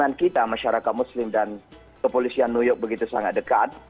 dengan kita masyarakat muslim dan kepolisian new york begitu sangat dekat